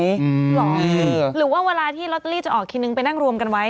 เหรอหรือว่าเวลาที่ลอตเตอรี่จะออกทีนึงไปนั่งรวมกันไว้